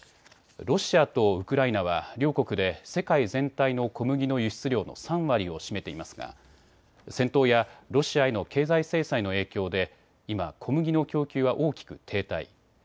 ロシアとウクライナは両国で世界全体の小麦の輸出量の３割を占めていますが戦闘やロシアへの経済制裁の影響で今、小麦の供給は大きく停滞。